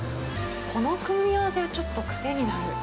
この組み合わせはちょっと癖になる。